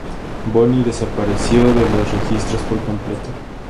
Bonny desapareció de los registros por completo.